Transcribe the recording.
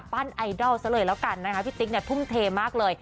ไอดอลซะเลยแล้วกันนะคะพี่ติ๊กเนี่ยทุ่มเทมากเลย